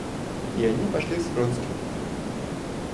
И они пошли с Вронским.